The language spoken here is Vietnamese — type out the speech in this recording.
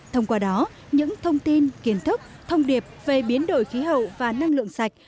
thông qua đó những thông tin kiến thức thông điệp về biến đổi khí hậu và năng lượng sạch